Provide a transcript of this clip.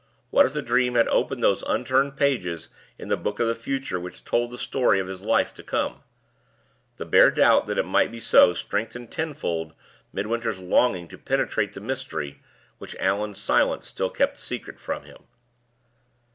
What if the dream had opened those unturned pages in the book of the Future which told the story of his life to come? The bare doubt that it might be so strengthened tenfold Midwinter's longing to penetrate the mystery which Allan's silence still kept a secret from him.